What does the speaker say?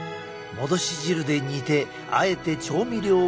戻し汁で煮てあえて調味料は抑えめに。